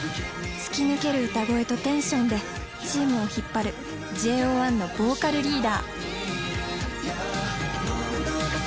突き抜ける歌声とテンションでチームを引っ張るＪＯ１のボーカルリーダー。